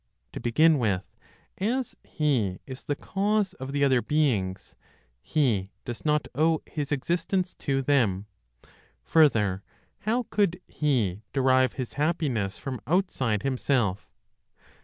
To begin with, as He is the cause of the other beings, He does not owe His existence to them. Further, how could He derive His happiness from outside Himself?